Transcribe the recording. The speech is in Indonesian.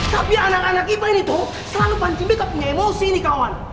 tapi anak anak kipa ini tuh selalu pancing backup punya emosi ini kawan